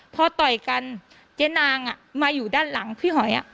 พอต่อยกันเจ๊นางมาอยู่ด้านหลังพี่หอย